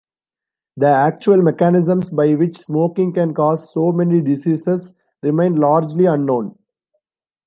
The actual mechanisms by which smoking can cause so many diseases remain largely unknown.